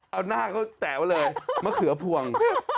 เอาหน้าเขาแต๋วเลยมะเขือพวง